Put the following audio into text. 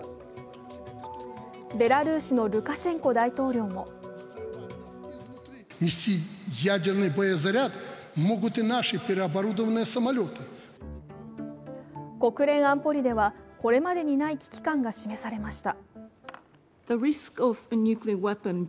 ベラルーシのルカシェンコ大統領も国連安保理ではこれまでにない危機感が示されました。